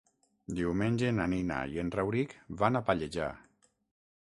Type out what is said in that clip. Diumenge na Nina i en Rauric van a Pallejà.